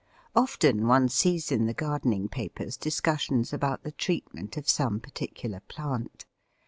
Often one sees in the gardening papers discussions about the treatment of some particular plant.